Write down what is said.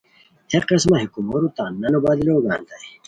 ہے قسمہ ہے کومورو تان نانو بدلو گانیتائے